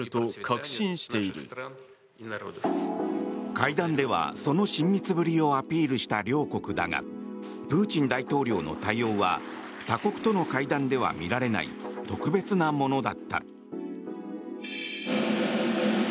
会談では、その親密ぶりをアピールした両国だがプーチン大統領の対応は他国との会談では見られない特別なものだった。